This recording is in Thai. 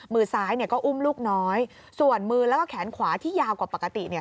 มือซ้ายเนี่ยก็อุ้มลูกน้อยส่วนมือแล้วก็แขนขวาที่ยาวกว่าปกติเนี่ย